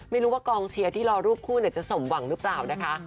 ไม่รู้ว่ากองเชียร์ที่รอรูปคู่จะสมหวังหรือเปล่านะคะ